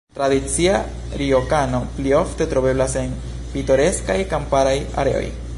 Tradicia rjokano pli ofte troveblas en pitoreskaj kamparaj areoj.